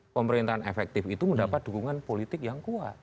pemerintahan efektif itu mendapat dukungan politik yang kuat